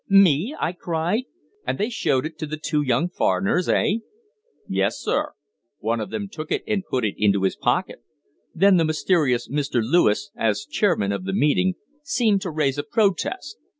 "Me!" I cried. "And they showed it to the two young foreigners eh?" "Yes, sir. One of them took it and put it into his pocket. Then the mysterious Mr. Lewis, as chairman of the meeting, seemed to raise a protest.